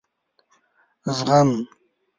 زغم ....